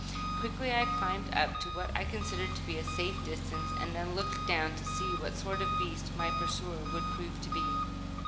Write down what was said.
Quickly I climbed up to what I considered to be a safe distance, and then looked down to see what sort of a beast my pursuer would prove to be.